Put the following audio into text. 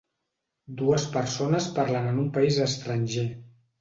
Dues persones parlen en un país estranger.